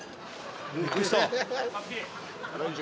びっくりした！